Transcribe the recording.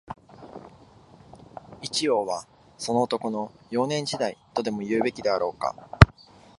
一葉は、その男の、幼年時代、とでも言うべきであろうか